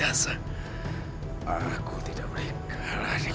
kalian tidak dapatization